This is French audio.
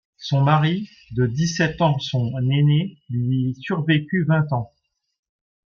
Son mari, de dix-sept ans son aîné, lui survécut vingt ans.